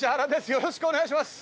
よろしくお願いします。